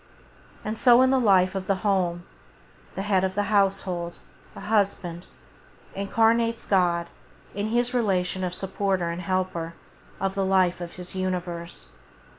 And so in the life of the home. The head of the household, the husband, incarnates God in His relation of supporter and helper of the life of His universe.